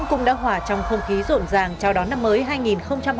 cũng đã hòa trong không khí rộn ràng chào đón năm mới hai nghìn hai mươi bốn